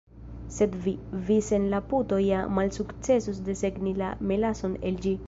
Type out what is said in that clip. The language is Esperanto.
Sed vi, vi sen la puto ja malsukcesus desegni la melason el ĝi!"